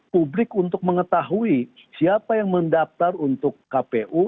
publik untuk mengetahui siapa yang mendaftar untuk kpu